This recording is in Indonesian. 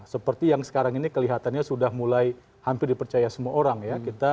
seperti yang sekarang ini kelihatannya sudah mulai hampir dipercaya semua orang ya